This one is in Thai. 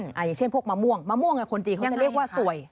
อย่างเช่นพวกมะม่วงมะม่วงคนจีนเขาจะเรียกว่าสวย